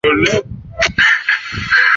为商务人员往来提供便利